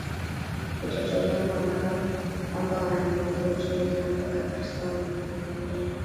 Vitoto vyangu ambao kwamba nawaonea uchungu tena mpaka Kristo aumbike ndani yenu